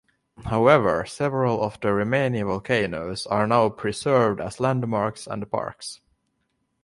However several of the remaining volcanoes are now preserved as landmarks and parks.